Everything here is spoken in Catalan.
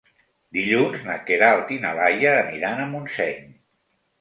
Dilluns na Queralt i na Laia aniran a Montseny.